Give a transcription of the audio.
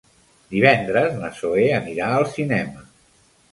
Divendres na Zoè anirà al cinema.